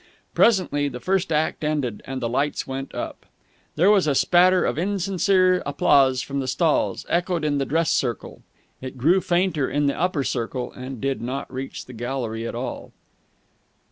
Presently the first act ended, and the lights went up. There was a spatter of insincere applause from the stalls, echoed in the dress circle. It grew fainter in the upper circle, and did not reach the gallery at all.